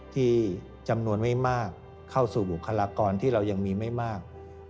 ที่จำนวนไม่มากเข้าสู่บุคลากรที่เรายังมีไม่มาก